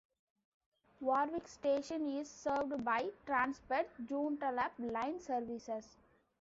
Warwick station is served by Transperth Joondalup line services.